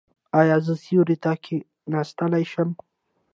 ایا زه سیوري ته کیناستلی شم؟